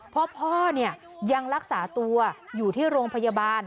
พ่อยังรักษาตัวอยู่ที่โรงพยาบาล